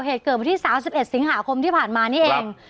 เหตุเกิดวันที่๓๑สิงหาคมที่ผ่านมานี่เอง